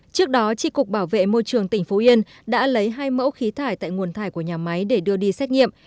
trước đó tri cục bảo vệ môi trường tỉnh phú yên đã lấy hai mẫu khí thải tại nguồn thải của nhà máy để đưa đi xét nghiệm